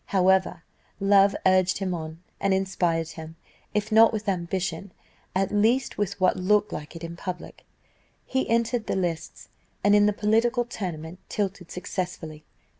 However, love urged him on, and inspired him, if not with ambition, at least with what looked like it in public. He entered the lists, and in the political tournament tilted successfully.